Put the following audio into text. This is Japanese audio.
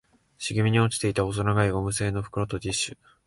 茂みに落ちていた細長いゴム製の袋とティッシュ